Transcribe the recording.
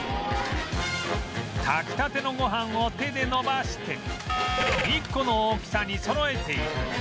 炊きたてのご飯を手で延ばして１個の大きさにそろえていく